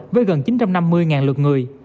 với gần chín trăm năm mươi lượt người